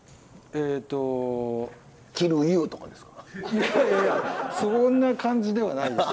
いやいやいやそんな感じではないです。